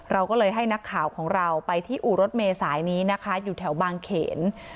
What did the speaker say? เราก็เลยให้นักข่าวของเราไปที่อู่รถเมษายนี้นะคะอยู่แถวบางเขน